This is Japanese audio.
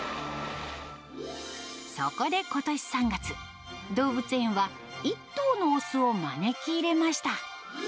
そこでことし３月、動物園は１頭の雄を招き入れました。